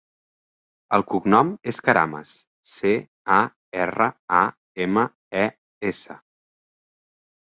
El cognom és Carames: ce, a, erra, a, ema, e, essa.